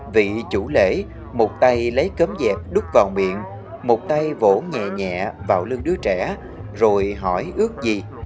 vị chủ lễ một tay lấy cơm dẹp đứt vào miệng một tay vỗ nhẹ nhẹ vào lưng đứa trẻ rồi hỏi ước gì